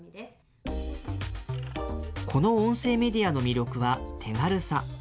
この音声メディアの魅力は手軽さ。